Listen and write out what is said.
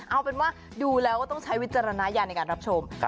เอาเป็นว่าดูแล้วก็ต้องใช้วิจารณญาณในการรับชม